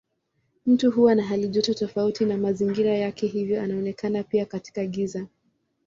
Mtu huwa na halijoto tofauti na mazingira yake hivyo anaonekana pia katika giza.